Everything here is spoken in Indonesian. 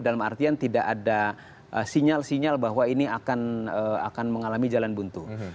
dalam artian tidak ada sinyal sinyal bahwa ini akan mengalami jalan buntu